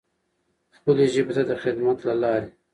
خپلې ژبې ته د خدمت له لارې.